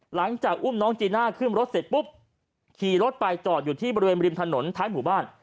หลังจากอุ้มน้องจีน่าขึ้นรถเสร็จปุ๊บขี่รถไปจอดอยู่ที่บริเวณริมถนนท้ายหมู่บ้าน